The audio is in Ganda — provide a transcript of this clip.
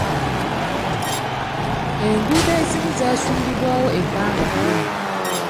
Enguudo ezimu zaasuulibwawo ebbanga ddene.